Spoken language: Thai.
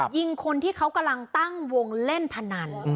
ยิงคนที่เขากำลังตั้งวงเล่นพนัน